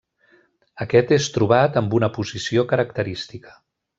Aquest és trobat amb una posició característica.